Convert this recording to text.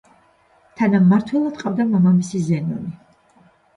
თანამმართველად ჰყავდა მამამისი ზენონი.